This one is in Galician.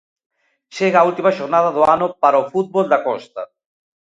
Chega a última xornada do ano para o fútbol da Costa.